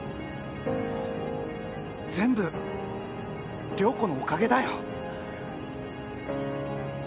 全部亮子のおかげだよ。